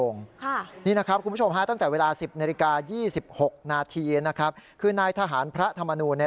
๖นาทีนะครับคือนายทหารพระธรรมนูนี่